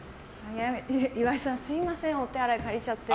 岩井さん、すみませんお手洗い借りちゃって。